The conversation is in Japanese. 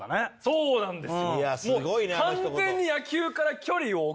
そうなんです。